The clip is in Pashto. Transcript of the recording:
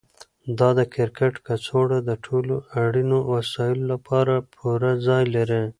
دا د کرکټ کڅوړه د ټولو اړینو وسایلو لپاره پوره ځای لري.